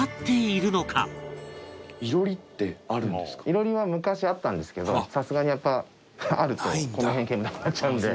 囲炉裏は昔あったんですけどさすがにやっぱあるとこの辺煙たくなっちゃうんで。